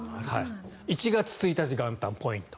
１月１日元旦、ポイント